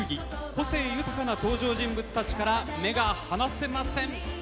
個性豊かな登場人物たちから目が離せません。